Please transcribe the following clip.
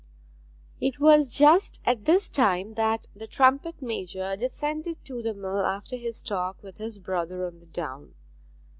It was just at this time that the trumpet major descended to the mill after his talk with his brother on the down.